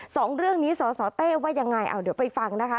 สองเรื่องนี้สสเต้ว่ายังไงเอาเดี๋ยวไปฟังนะคะ